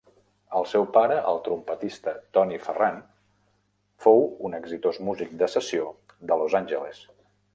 El seu pare, el trompetista Tony Ferran, fou un exitós músic de sessió de Los Angeles.